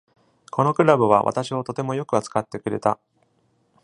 このクラブは私をとてもよく扱ってくれた。